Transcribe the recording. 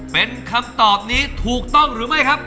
เป็นคำตอบนี้ถูกต้องหรือไม่ครับ